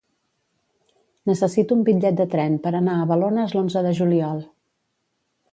Necessito un bitllet de tren per anar a Balones l'onze de juliol.